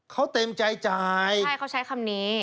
เขาเต็มใจจ่ายใช่เขาใช้คำนี้